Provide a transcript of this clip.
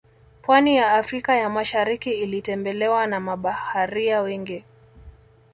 Pwani ya afrika ya masharikii ilitembelewa na mabaharia wengi